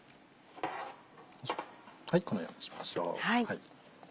このようにしましょう。